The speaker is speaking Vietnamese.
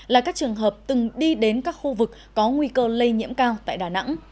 là các trường hợp từng đi đến các khu vực có nguy cơ lây nhiễm cao tại đà nẵng